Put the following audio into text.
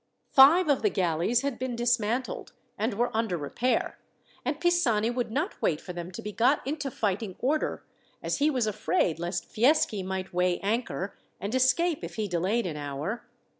Five of the galleys had been dismantled, and were under repair, and Pisani would not wait for them to be got into fighting order, as he was afraid lest Fieschi might weigh anchor and escape if he delayed an hour.